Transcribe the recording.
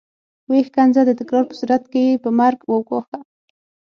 ويې ښکنځه د تکرار په صورت کې يې په مرګ وګواښه.